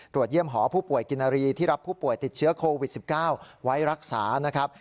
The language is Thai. เยี่ยมหอผู้ป่วยกินนารีที่รับผู้ป่วยติดเชื้อโควิด๑๙ไว้รักษานะครับ